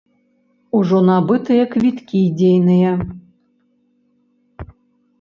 Ужо набытыя квіткі дзейныя.